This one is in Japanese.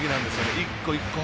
１個、１個半。